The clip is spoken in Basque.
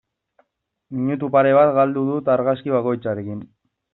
Minutu pare bat galdu dut argazki bakoitzarekin.